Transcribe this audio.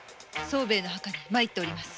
総兵衛の墓に参っております。